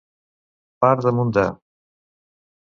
Part damunt de.